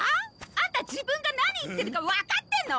アンタ自分が何言ってるかわかってんの！？